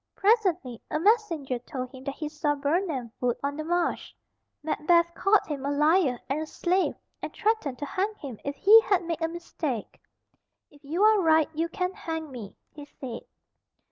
Presently a messenger told him that he saw Birnam Wood on the march. Macbeth called him a liar and a slave, and threatened to hang him if he had made a mistake. "If you are right you can hang me," he said.